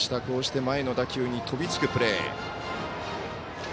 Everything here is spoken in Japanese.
こうして前の打球に飛びつくプレー。